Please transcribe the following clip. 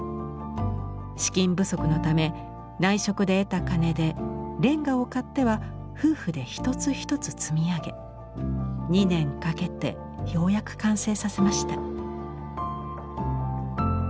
資金不足のため内職で得た金でレンガを買っては夫婦で一つ一つ積み上げ２年かけてようやく完成させました。